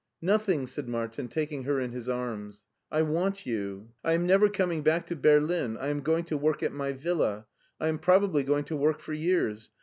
'' Nothing," said Martin, taking her in his arms. I want you." I am never coming back to Berlin; I am going to work at my villa; I am probably going to work for years.